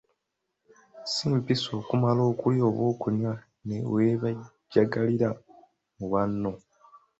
Si mpisa okumala okulya oba okunywa ne weebejjagalira mu banno.